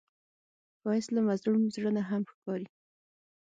ښایست له مظلوم زړه نه هم ښکاري